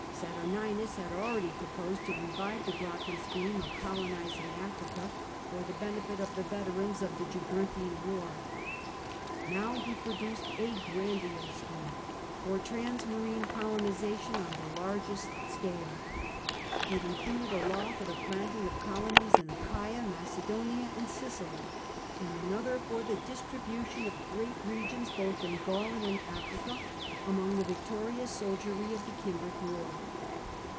Saturninus had already^ proposed to revive the Gracchan scheme of colonising Africa, for the benefit ^ As early as B.o. 103, it would appesti. 100 FROM THE GRACCHI TO SULLA of the veterans of the Jugurthine war. Now lie produced a grandiose plan for transmarine colonisation on the largest scale. It included a law for the planting of colonies in Achaia, Macedonia, and Sicily, and another for the distribution of great regions both in Gaul and in Africa among the victorious soldiery of the Cimbric war.